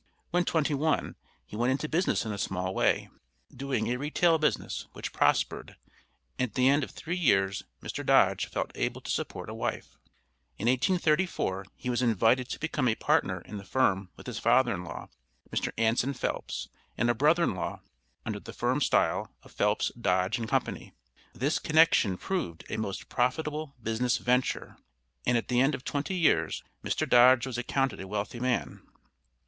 When twenty one, he went into business in a small way, doing a retail business, which prospered, and at the end of three years Mr. Dodge felt able to support a wife. In 1834 he was invited to become a partner in the firm with his father in law, Mr. Anson Phelps, and a brother in law, under the firm style of Phelps, Dodge and Company. This connection proved a most profitable business venture, and at the end of twenty years Mr. Dodge was accounted a wealthy man.